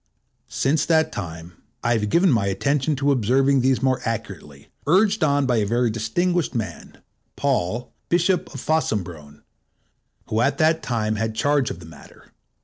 Since that time, I have given my attention to observing these more accurately, urged on by a very distinguished man, Paul, Bishop of Fossombrone, who at that time had charge of the matter.